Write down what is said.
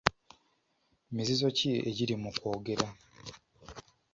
Miziziko ki egiri mu kwogera?